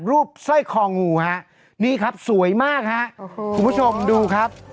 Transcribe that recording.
รูปส้อยคองูฮะนี่ครับสวยมากฮะคุณผู้ชมดูครับ